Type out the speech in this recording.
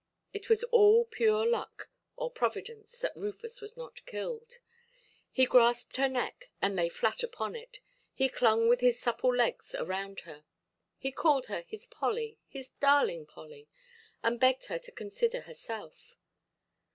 It was all pure luck or Providence that Rufus was not killed. He grasped her neck, and lay flat upon it; he clung with his supple legs around her; he called her his Polly, his darling Polly, and begged her to consider herself.